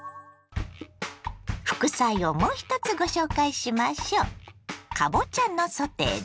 副菜をもう１つご紹介しましょう。